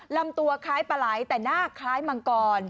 ลำตัวคล้ายปลาไหลแต่หน้าคล้ายมังกร